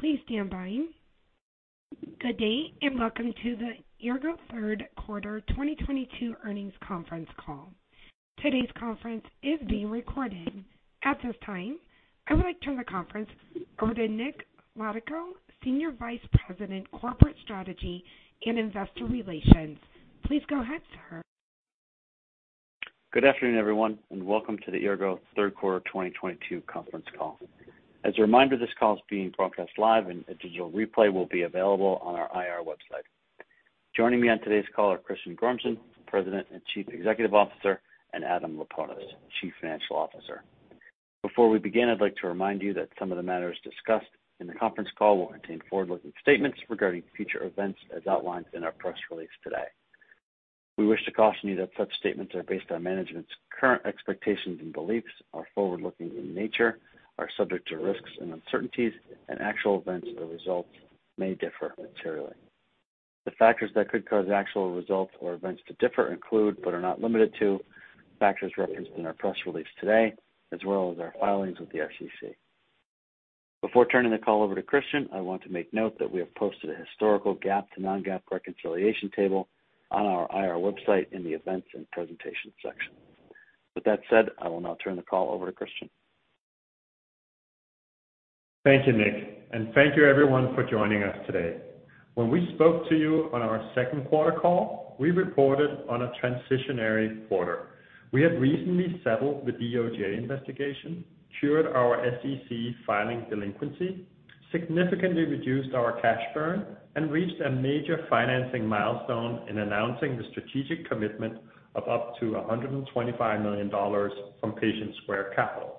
Please stand by. Good day, and welcome to the Eargo third quarter 2022 earnings conference call. Today's conference is being recorded. At this time, I would like to turn the conference over to Nick Laudico, Senior Vice President, Corporate Strategy and Investor Relations. Please go ahead, sir. Good afternoon, everyone, and welcome to the Eargo third quarter 2022 conference call. As a reminder, this call is being broadcast live and a digital replay will be available on our IR website. Joining me on today's call are Christian Gormsen, President and Chief Executive Officer, and Adam Laponis, Chief Financial Officer. Before we begin, I'd like to remind you that some of the matters discussed in the conference call will contain forward-looking statements regarding future events as outlined in our press release today. We wish to caution you that such statements are based on management's current expectations and beliefs, are forward-looking in natu.e, are subject to risks and uncertainties, and actual events or results may differ materially. The factors that could cause actual results or events to differ include, but are not limited to, factors referenced in our press release today, as well as our filings with the SEC. Before turning the call over to Christian, I want to make note that we have posted a historical GAAP to non-GAAP reconciliation table on our IR website in the Events and Presentation section. With that said, I will now turn the call over to Christian. Thank you, Nick, and thank you everyone for joining us today. When we spoke to you on our second quarter call, we reported on a transitional quarter. We had recently settled the DOJ investigation, cured our SEC filing delinquency, significantly reduced our cash burn, and reached a major financing milestone in announcing the strategic commitment of up to $125 million from Patient Square Capital.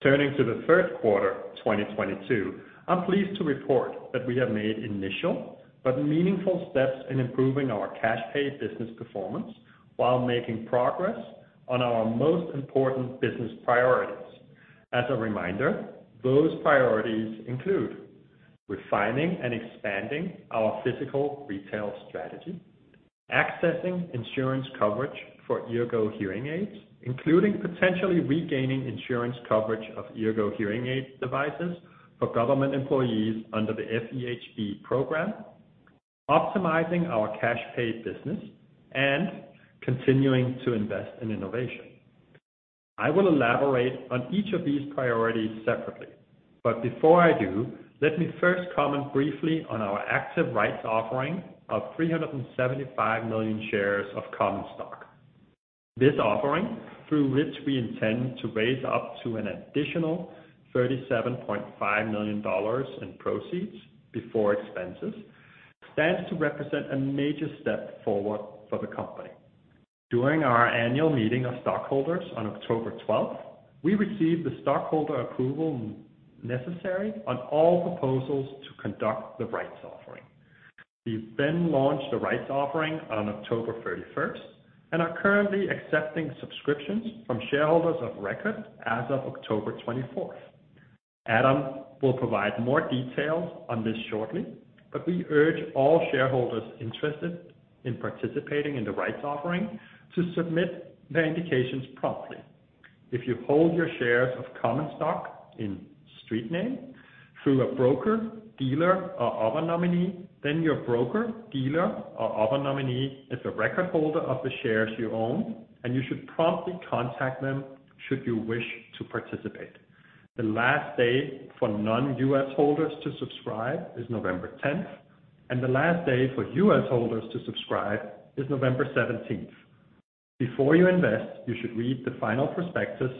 Turning to the third quarter of 2022, I'm pleased to report that we have made initial but meaningful steps in improving our cash pay business performance while making progress on our most important business priorities. As a reminder, those priorities include refining and expanding our physical retail strategy, accessing insurance coverage for Eargo hearing aids, including potentially regaining insurance coverage of Eargo hearing aid devices for government employees under the FEHB program, optimizing our cash pay business, and continuing to invest in innovation. I will elaborate on each of these priorities separately. Before I do, let me first comment briefly on our active rights offering of 375 million shares of common stock. This offering, through which we intend to raise up to an additional $37.5 million in proceeds before expenses, stands to represent a major step forward for the company. During our annual meeting of stockholders on October twelfth, we received the stockholder approval necessary on all proposals to conduct the rights offering. We launched the rights offering on October 31st and are currently accepting subscriptions from shareholders of record as of October 24th. Adam will provide more details on this shortly, but we urge all shareholders interested in participating in the rights offering to submit their indications promptly. If you hold your shares of common stock in street name through a broker, dealer, or other nominee, then your broker, dealer, or other nominee is a record holder of the shares you own, and you should promptly contact them should you wish to participate. The last day for non-U.S. holders to subscribe is November 10th, and the last day for U.S. holders to subscribe is November 17th. Before you invest, you should read the final prospectus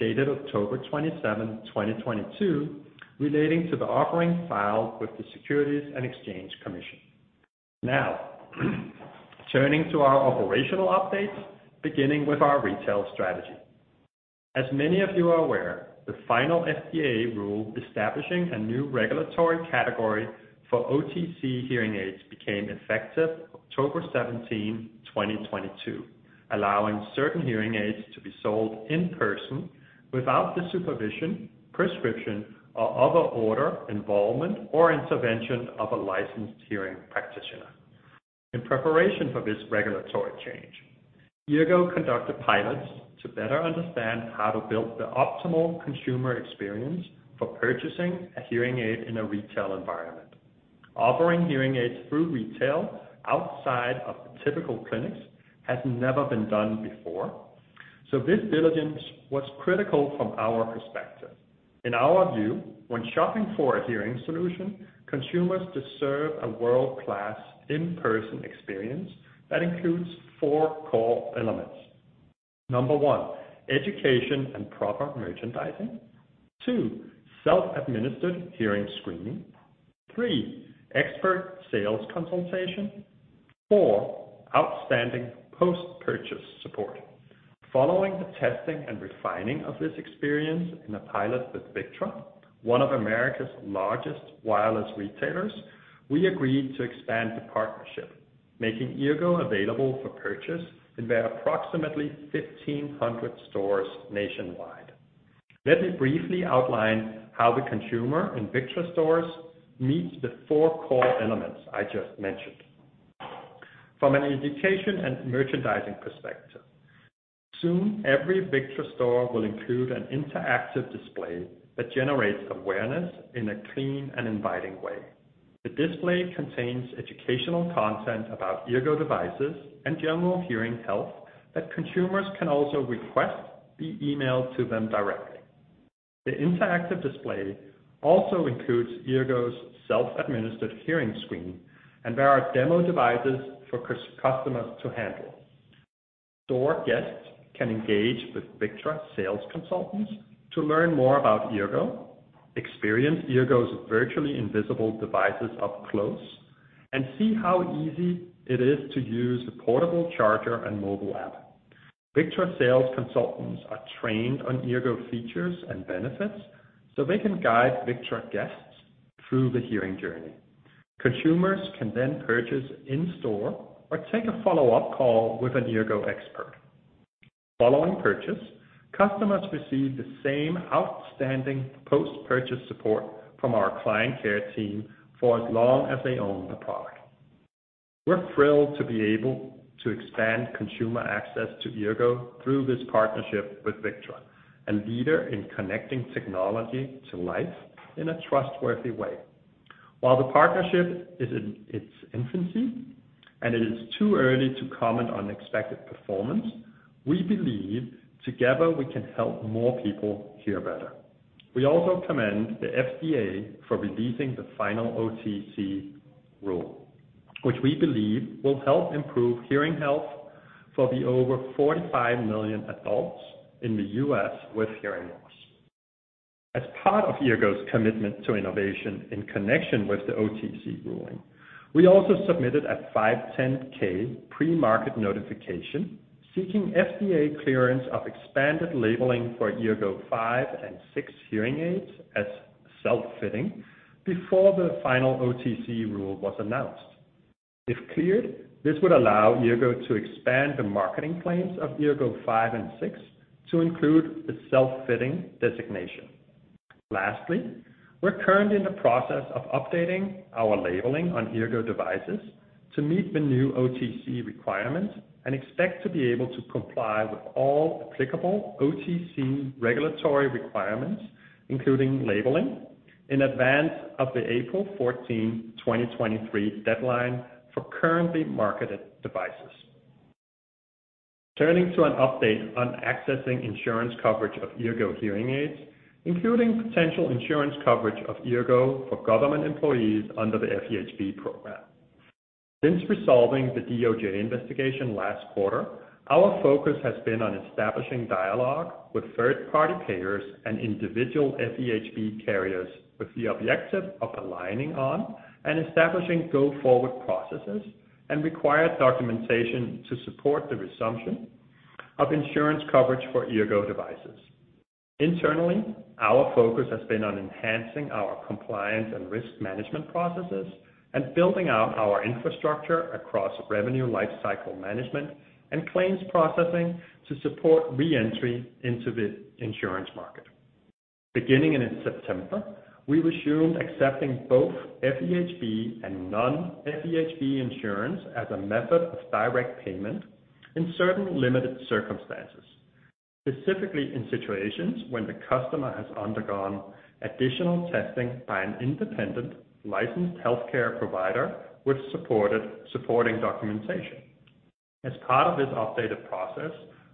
dated October 27, 2022, relating to the offering filed with the Securities and Exchange Commission. Now, turning to our operational updates, beginning with our retail strategy. As many of you are aware, the final FDA rule establishing a new regulatory category for OTC hearing aids became effective October 17, 2022, allowing certain hearing aids to be sold in person without the supervision, prescription, or other order, involvement, or intervention of a licensed hearing practitioner. In preparation for this regulatory change, Eargo conducted pilots to better understand how to build the optimal consumer experience for purchasing a hearing aid in a retail environment. Offering hearing aids through retail outside of the typical clinics has never been done before. This diligence was critical from our perspective. In our view, when shopping for a hearing solution, consumers deserve a world-class in-person experience that includes four core elements. Number one, education and proper merchandising. Two, self-administered hearing screening. Three, expert sales consultation. Four, outstanding post-purchase support. Following the testing and refining of this experience in a pilot with Victra, one of America's largest wireless retailers, we agreed to expand the partnership, making Eargo available for purchase in their approximately 1,500 stores nationwide. Let me briefly outline how the consumer in Victra stores meets the four core elements I just mentioned. From an education and merchandising perspective, soon every Victra store will include an interactive display that generates awareness in a clean and inviting way. The display contains educational content about Eargo devices and general hearing health that consumers can also request be emailed to them directly. The interactive display also includes Eargo's self-administered hearing screen, and there are demo devices for customers to handle. Store guests can engage with Victra sales consultants to learn more about Eargo, experience Eargo's virtually invisible devices up close, and see how easy it is to use the portable charger and mobile app. Victra sales consultants are trained on Eargo features and benefits so they can guide Victra guests through the hearing journey. Consumers can then purchase in store or take a follow-up call with an Eargo expert. Following purchase, customers receive the same outstanding post-purchase support from our client care team for as long as they own the product. We're thrilled to be able to expand consumer access to Eargo through this partnership with Victra, a leader in connecting technology to life in a trustworthy way. While the partnership is in its infancy, and it is too early to comment on expected performance, we believe together we can help more people hear better. We commend the FDA for releasing the final OTC rule, which we believe will help improve hearing health for the over 45 million adults in the U.S. with hearing loss. As part of Eargo's commitment to innovation in connection with the OTC ruling, we also submitted a 510(k) premarket notification seeking FDA clearance of expanded labeling for Eargo 5 and 6 hearing aids as self-fitting before the final OTC rule was announced. If cleared, this would allow Eargo to expand the marketing claims of Eargo 5 and 6 to include the self-fitting designation. We're currently in the process of updating our labeling on Eargo devices to meet the new OTC requirements and expect to be able to comply with all applicable OTC regulatory requirements, including labeling in advance of the April 14, 2023 deadline for currently marketed devices. Turning to an update on accessing insurance coverage of Eargo hearing aids, including potential insurance coverage of Eargo for government employees under the FEHB program. Since resolving the DOJ investigation last quarter, our focus has been on establishing dialogue with third-party payers and individual FEHB carriers with the objective of aligning on and establishing go forward processes and required documentation to support the resumption of insurance coverage for Eargo devices. Internally, our focus has been on enhancing our compliance and risk management processes and building out our infrastructure across revenue lifecycle management and claims processing to support reentry into the insurance market. Beginning in September, we resumed accepting both FEHB and non-FEHB insurance as a method of direct payment in certain limited circumstances, specifically in situations when the customer has undergone additional testing by an independent licensed healthcare provider with supporting documentation. As part of this updated process,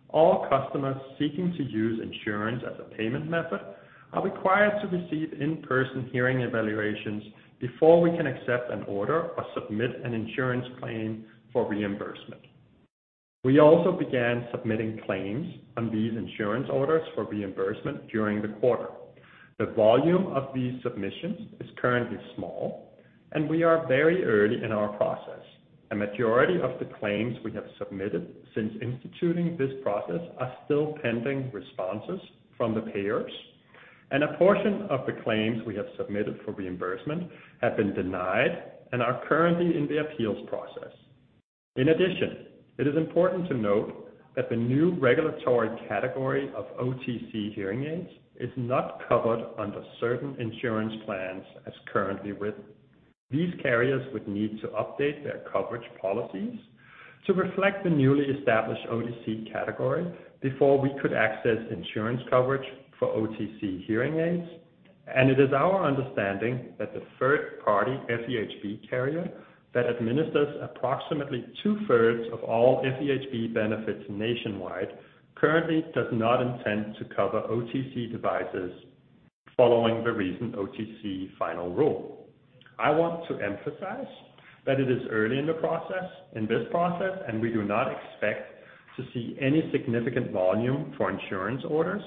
all customers seeking to use insurance as a payment method are required to receive in-person hearing evaluations before we can accept an order or submit an insurance claim for reimbursement. We also began submitting claims on these insurance orders for reimbursement during the quarter. The volume of these submissions is currently small, and we are very early in our process. A majority of the claims we have submitted since instituting this process are still pending responses from the payers, and a portion of the claims we have submitted for reimbursement have been denied and are currently in the appeals process. In addition, it is important to note that the new regulatory category of OTC hearing aids is not covered under certain insurance plans as currently written. These carriers would need to update their coverage policies to reflect the newly established OTC category before we could access insurance coverage for OTC hearing aids. It is our understanding that the third party FEHB carrier that administers approximately two-thirds of all FEHB benefits nationwide currently does not intend to cover OTC devices following the recent OTC final rule. I want to emphasize that it is early in this process, and we do not expect to see any significant volume for insurance orders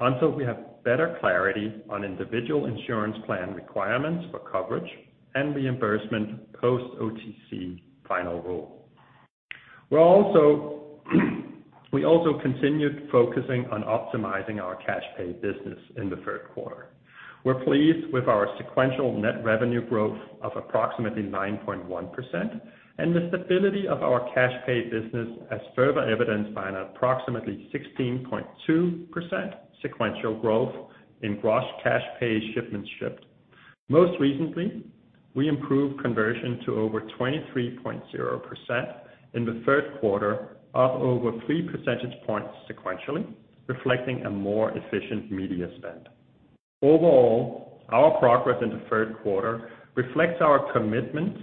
until we have better clarity on individual insurance plan requirements for coverage and reimbursement post OTC final rule. We also continued focusing on optimizing our cash pay business in the third quarter. We're pleased with our sequential net revenue growth of approximately 9.1% and the stability of our cash pay business as further evidenced by an approximately 16.2% sequential growth in gross cash pay shipments shipped. Most recently, we improved conversion to over 23.0% in the third quarter of over 3 percentage points sequentially, reflecting a more efficient media spend. Overall, our progress in the third quarter reflects our commitment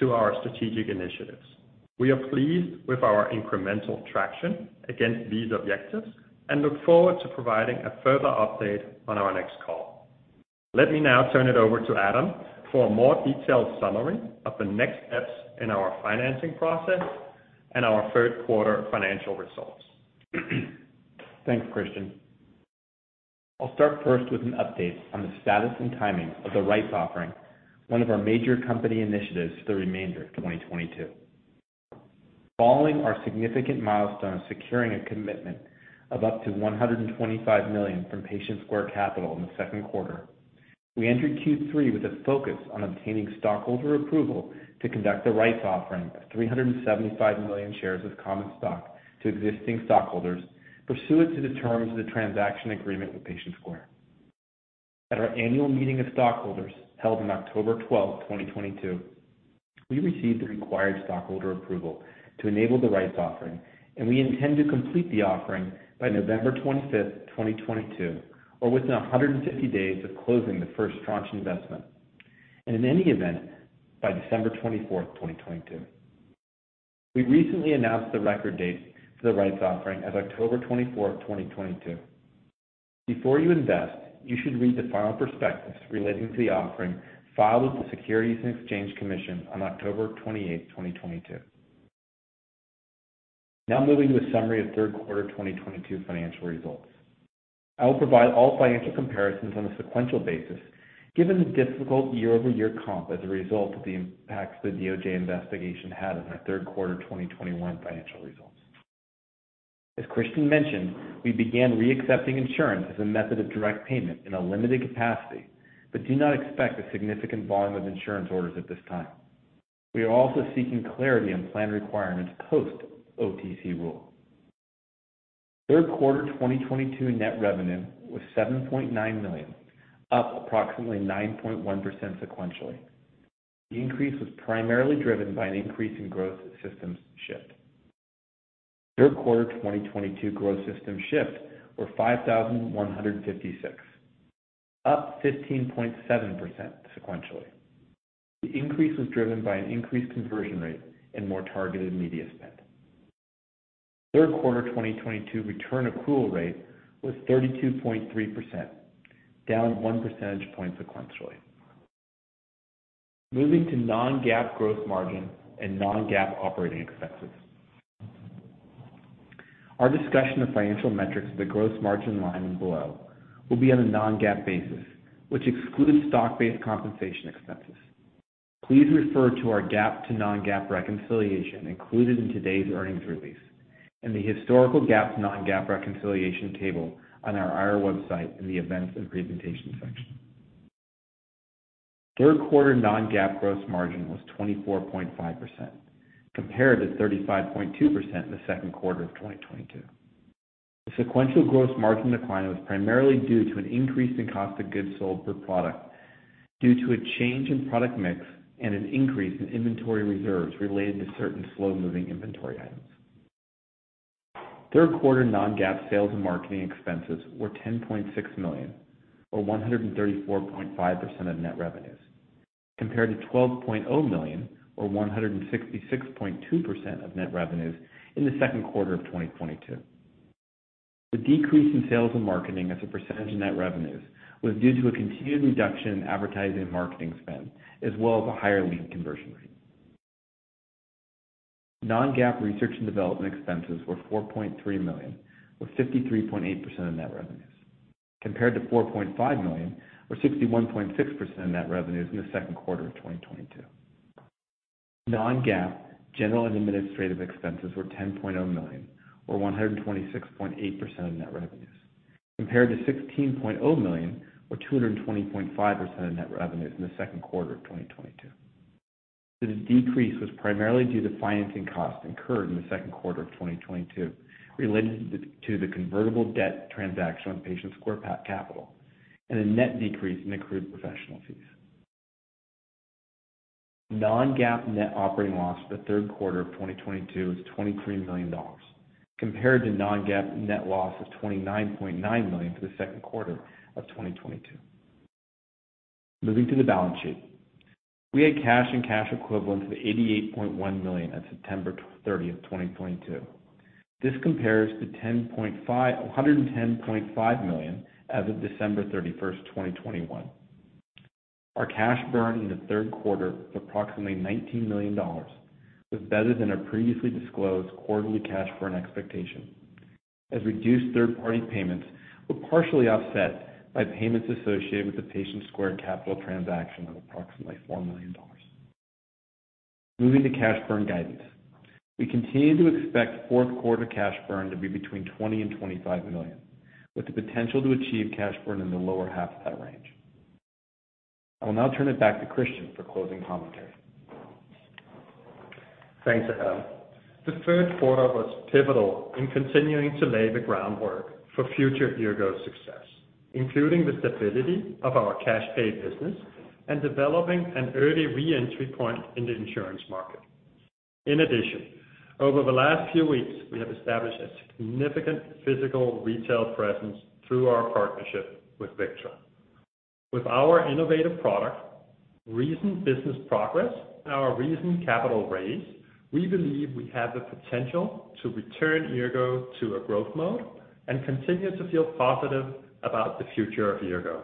to our strategic initiatives. We are pleased with our incremental traction against these objectives and look forward to providing a further update on our next call. Let me now turn it over to Adam Laponis for a more detailed summary of the next steps in our financing process and our third quarter financial results. Thanks, Christian. I'll start first with an update on the status and timing of the rights offering, one of our major company initiatives for the remainder of 2022. Following our significant milestone of securing a commitment of up to $125 million from Patient Square Capital in the second quarter, we entered Q3 with a focus on obtaining stockholder approval to conduct the rights offering of 375 million shares of common stock to existing stockholders, pursuant to the terms of the transaction agreement with Patient Square Capital. At our annual meeting of stockholders held on October 12th, 2022, we received the required stockholder approval to enable the rights offering, and we intend to complete the offering by November 25th, 2022 or within 150 days of closing the first tranche investment, and in any event by December 24th, 2022. We recently announced the record date for the rights offering as October 24, 2022. Before you invest, you should read the final prospectus relating to the offering filed with the Securities and Exchange Commission on October 28, 2022. Now moving to a summary of third quarter 2022 financial results. I will provide all financial comparisons on a sequential basis, given the difficult year-over-year comp as a result of the impacts the DOJ investigation had on our third quarter 2021 financial results. As Christian mentioned, we began re-accepting insurance as a method of direct payment in a limited capacity, but do not expect a significant volume of insurance orders at this time. We are also seeking clarity on plan requirements post OTC rule. Third quarter 2022 net revenue was $7.9 million, up approximately 9.1% sequentially. The increase was primarily driven by an increase in gross systems shipped. Third quarter 2022 gross systems shipped were 5,156, up 15.7% sequentially. The increase was driven by an increased conversion rate and more targeted media spend. Third quarter 2022 return accrual rate was 32.3%, down one percentage point sequentially. Moving to non-GAAP gross margin and non-GAAP operating expenses. Our discussion of financial metrics at the gross margin line and below will be on a non-GAAP basis, which excludes stock-based compensation expenses. Please refer to our GAAP to non-GAAP reconciliation included in today's earnings release and the historical GAAP to non-GAAP reconciliation table on our IR website in the Events and Presentation section. Third quarter non-GAAP gross margin was 24.5% compared to 35.2% in the second quarter of 2022. The sequential gross margin decline was primarily due to an increase in cost of goods sold per product due to a change in product mix and an increase in inventory reserves related to certain slow-moving inventory items. Third quarter non-GAAP sales and marketing expenses were $10.6 million or 134.5% of net revenues, compared to $12.0 million or 166.2% of net revenues in the second quarter of 2022. The decrease in sales and marketing as a percentage of net revenues was due to a continued reduction in advertising and marketing spend, as well as a higher lead conversion rate. Non-GAAP research and development expenses were $4.3 million or 53.8% of net revenues compared to $4.5 million or 61.6% of net revenues in the second quarter of 2022. Non-GAAP general and administrative expenses were $10.0 million or 126.8% of net revenues compared to $16.0 million or 225.5% of net revenues in the second quarter of 2022. The decrease was primarily due to financing costs incurred in the second quarter of 2022 related to the convertible debt transaction with Patient Square Capital and a net decrease in accrued professional fees. Non-GAAP net operating loss for the third quarter of 2022 is $23 million compared to non-GAAP net loss of $29.9 million for the second quarter of 2022. Moving to the balance sheet. We had cash and cash equivalents of $88.1 million on September 30th, 2022. This compares to $110.5 million as of December 31st, 2021. Our cash burn in the third quarter of approximately $19 million was better than our previously disclosed quarterly cash burn expectation as reduced third-party payments were partially offset by payments associated with the Patient Square Capital transaction of approximately $4 million. Moving to cash burn guidance. We continue to expect fourth quarter cash burn to be between $20 million and $25 million, with the potential to achieve cash burn in the lower half of that range. I will now turn it back to Christian for closing commentary. Thanks, Adam. The third quarter was pivotal in continuing to lay the groundwork for Eargo's future success, including the stability of our cash pay business and developing an early re-entry point in the insurance market. In addition, over the last few weeks, we have established a significant physical retail presence through our partnership with Victra. With our innovative product, recent business progress, and our recent capital raise, we believe we have the potential to return Eargo to a growth mode and continue to feel positive about the future of Eargo.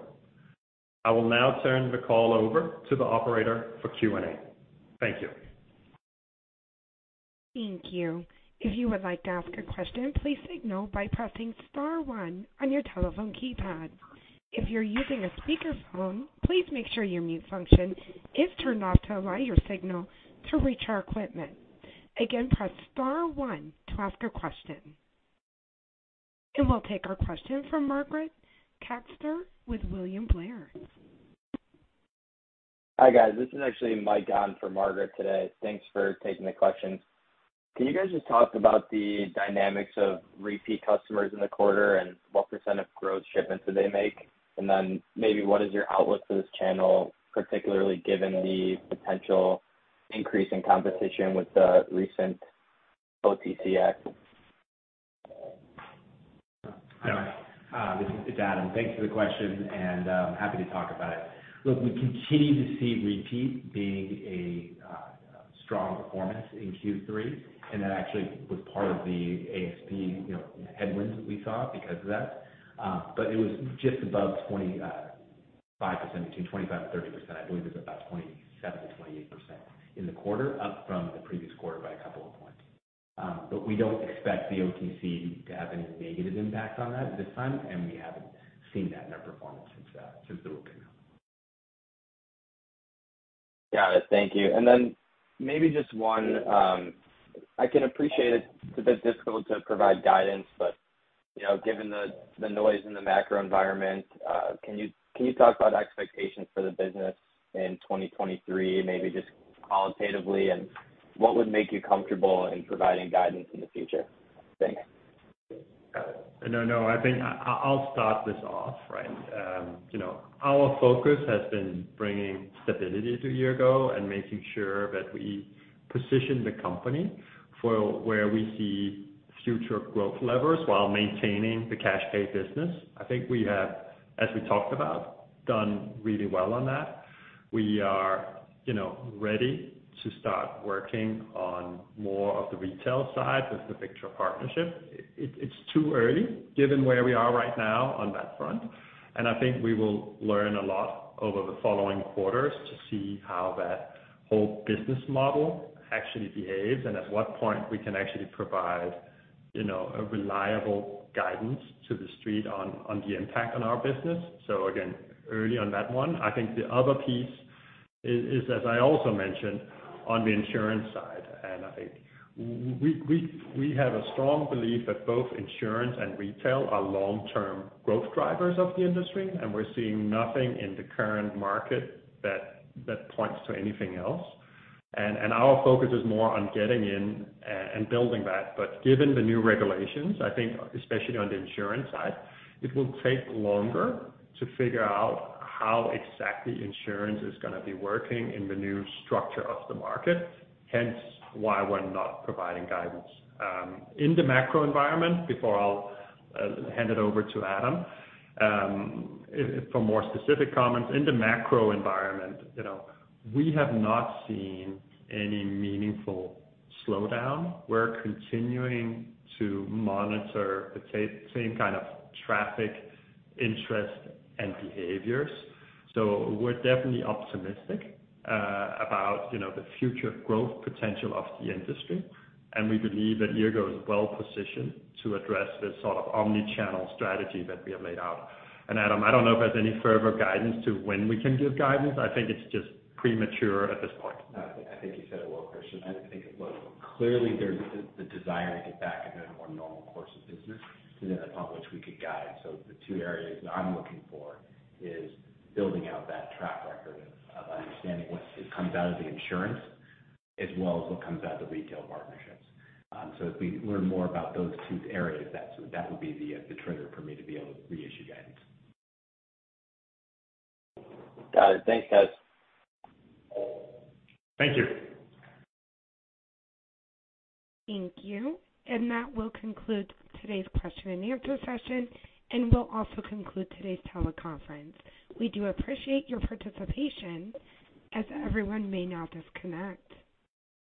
I will now turn the call over to the operator for Q&A. Thank you. Thank you. If you would like to ask a question, please signal by pressing star one on your telephone keypad. If you're using a speakerphone, please make sure your mute function is turned off to allow your signal to reach our equipment. Again, press star one to ask a question. We'll take our question from Margaret Kaczor, with William Blair. Hi, guys. This is actually Mike on for Margaret today. Thanks for taking the questions. Can you guys just talk about the dynamics of repeat customers in the quarter and what percent of gross shipments do they make? Maybe what is your outlook for this channel, particularly given the potential increase in competition with the recent OTC act? Hi, Mike. This is Adam. Thanks for the question, and happy to talk about it. Look, we continue to see repeat being a strong performance in Q3, and that actually was part of the ASP, you know, headwinds that we saw because of that. But it was just above 25%, between 25%-30%. I believe it's about 27%-28% in the quarter, up from the previous quarter by a couple of points. But we don't expect the OTC to have any negative impact on that this time, and we haven't seen that in our performance since the ruling came out. Got it. Thank you. Maybe just one, I can appreciate it's a bit difficult to provide guidance, but, you know, given the noise in the macro environment, can you talk about expectations for the business in 2023, maybe just qualitatively, and what would make you comfortable in providing guidance in the future? Thanks. No, no, I think I'll start this off, right. You know, our focus has been bringing stability to Eargo and making sure that we position the company for where we see future growth levers while maintaining the cash pay business. I think we have, as we talked about, done really well on that. We are, you know, ready to start working on more of the retail side with the Victra partnership. It, it's too early given where we are right now on that front, and I think we will learn a lot over the following quarters to see how that whole business model actually behaves and at what point we can actually provide, you know, a reliable guidance to the street on the impact on our business. Again, early on that one. I think the other piece is as I also mentioned on the insurance side, and I think we have a strong belief that both insurance and retail are long-term growth drivers of the industry, and we're seeing nothing in the current market that points to anything else. Our focus is more on getting in and building that. Given the new regulations, I think especially on the insurance side, it will take longer to figure out how exactly insurance is gonna be working in the new structure of the market, hence why we're not providing guidance. In the macro environment, before I'll hand it over to Adam for more specific comments. In the macro environment, you know, we have not seen any meaningful slowdown. We're continuing to monitor the same kind of traffic interest and behaviors. We're definitely optimistic about, you know, the future growth potential of the industry, and we believe that Eargo is well positioned to address the sort of omni-channel strategy that we have laid out. Adam, I don't know if there's any further guidance to when we can give guidance. I think it's just premature at this point. No, I think you said it well, Christian. I think it was clearly, there's the desire to get back into a more normal course of business to then upon which we could guide. The two areas that I'm looking for is building out that track record of understanding what comes out of the insurance as well as what comes out of the retail partnerships. If we learn more about those two areas, that would be the trigger for me to be able to reissue guidance. Got it. Thanks, guys. Thank you. Thank you. That will conclude today's question and answer session and will also conclude today's teleconference. We do appreciate your participation as everyone may now disconnect.